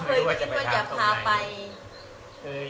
ไม่รู้ว่าจะไปถามตรงไหน